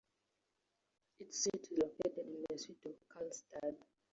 Its seat is located in the city of Karlstad.